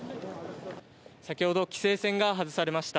先ほど、規制線が外されました。